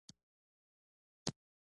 ایا زه باید د اوسپنې ټسټ وکړم؟